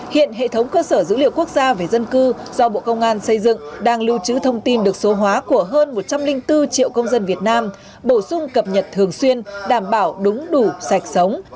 hiện hệ thống cơ sở dữ liệu quốc gia về dân cư do bộ công an xây dựng đang lưu trữ thông tin được số hóa của hơn một trăm linh bốn triệu công dân việt nam bổ sung cập nhật thường xuyên đảm bảo đúng đủ sạch sống